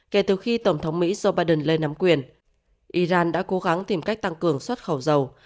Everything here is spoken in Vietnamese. kể từ khi tổng thống mỹ joe biden lên nắm quyền iran đã cố gắng tìm cách tăng cường xuất khẩu dầu